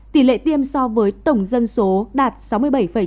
tỷ lệ tiêm so với tỷ lệ tiêm của ubnd thành phố hà nội